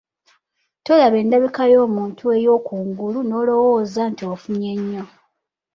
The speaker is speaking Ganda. Tolaba endabika y’omuntu eyookungulu n’olowooza nti ofunye nnyo.